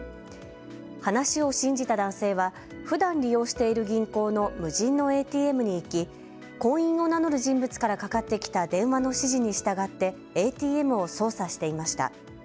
話を信じた男性はふだん利用している銀行の無人のＡＴＭに行き、行員を名乗る人物からかかってきた電話の指示に従ってＡＴＭを操作していました。